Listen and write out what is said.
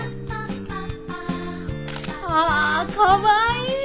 あかわいい！